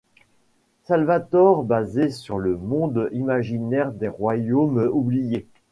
Salvatore basé sur le monde imaginaire des Royaumes oubliés.